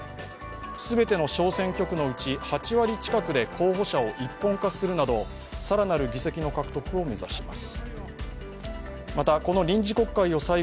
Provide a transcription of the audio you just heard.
全ての小選挙区のうち８割近くで候補者を一本化するなど、更なる議席の獲得を目指します。